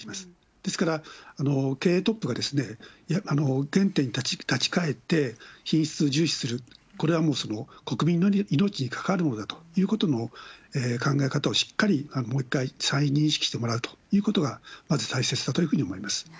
ですから、経営トップが原点に立ち返って品質を重視する、これはもう国民の命に関わるものだということの考え方をしっかりもう一回再認識してもらうということが、まず大切だというふうに思います。